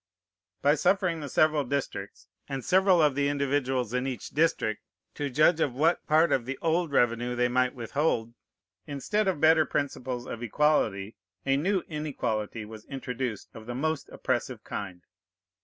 By suffering the several districts, and several of the individuals in each district, to judge of what part of the old revenue they might withhold, instead of better principles of equality, a new inequality was introduced of the most oppressive kind.